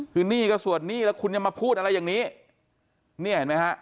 คือหนี้ก็ส่วนหนี้แล้วคุณยังมาพูดอะไรอย่างนี้เนี่ยเห็นไหมฮะ